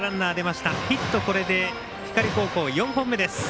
これで光高校、４本目です。